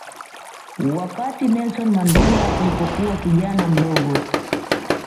Wakati Nelson Mandela alipokuwa kijana mdogo